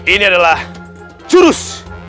ini adalah jurus